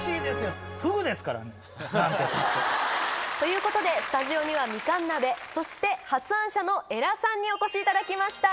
何ていったって。ということでスタジオにはみかん鍋そして発案者の江良さんにお越しいただきました